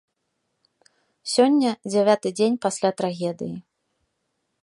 Сёння дзявяты дзень пасля трагедыі.